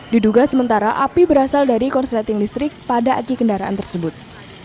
diduga sementara api berasal dari korsleting listrik pada aki kendaraan tersebut